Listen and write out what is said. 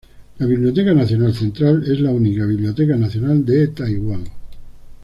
La Biblioteca Nacional Central es la única biblioteca nacional de Taiwán.